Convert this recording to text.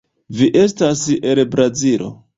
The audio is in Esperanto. Vi estas el Brazilo.